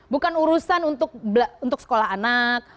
bukan urusan untuk sekolah anak